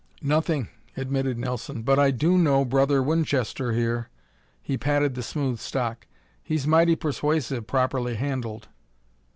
"Nothing," admitted Nelson, "but I do know Brother Winchester here." He patted the smooth stock. "He's mighty persuasive, properly handled."